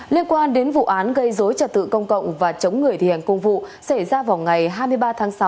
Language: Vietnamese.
liên quan đến vụ án gây dối trật tự công cộng và chống người thi hành công vụ xảy ra vào ngày hai mươi ba tháng sáu